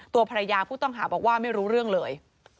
ตัวภรรยาผู้ต้องหาบอกว่าไม่รู้เรื่องเลย